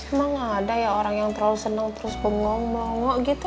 emang nggak ada ya orang yang terlalu seneng terus bengong bengong gitu